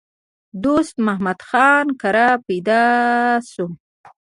د دوست محمد خان کره پېدا شو